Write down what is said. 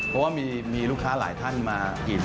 เพราะว่ามีลูกค้าหลายท่านมากิน